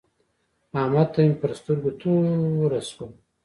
احمد ته مې پر سترګو توره شوه.